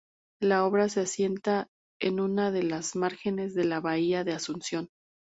La obra se asienta en una de las márgenes de la bahía de Asunción.